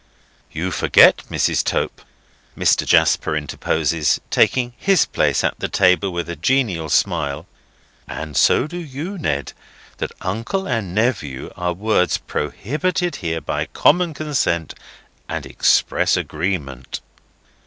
"You forget, Mrs. Tope," Mr. Jasper interposes, taking his place at the table with a genial smile, "and so do you, Ned, that Uncle and Nephew are words prohibited here by common consent and express agreement.